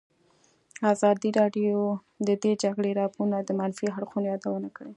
ازادي راډیو د د جګړې راپورونه د منفي اړخونو یادونه کړې.